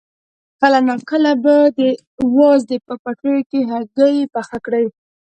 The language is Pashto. کله ناکله به یې د وازدې په پوټیو کې هګۍ پخه کړه.